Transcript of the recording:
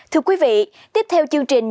thưa quý vị tiếp theo chương trình